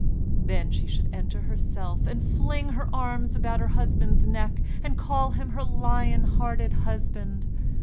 Then she should enter herself, and fling her arms about her husband's neck, and call him her lion hearted husband.